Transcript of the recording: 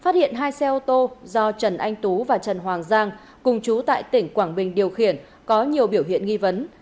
tô do trần anh tú và trần hoàng giang cùng chú tại tỉnh quảng bình điều khiển có nhiều biểu hiện nghi vấn